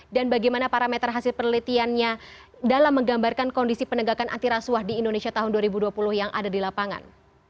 dan bagaimana parameter hasil penelitiannya dalam menggambarkan kondisi penegakan antirasuah di indonesia tahun dua ribu dua puluh yang ada di lapangan